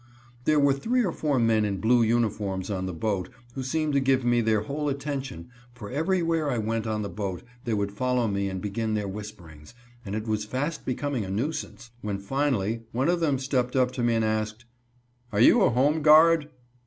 There were three or four men in blue uniforms on the boat, who seemed to give me their whole attention, for everywhere I went on the boat they would follow me and begin their whisperings, and it was fast becoming a nuisance, when, finally, one of them stepped up to me and asked: "Are you a home guard?"